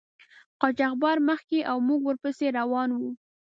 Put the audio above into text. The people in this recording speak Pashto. قاچاقبر مخکې او موږ ور پسې روان وو.